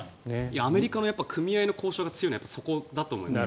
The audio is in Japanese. アメリカの組合の交渉が強いのはそこだと思います。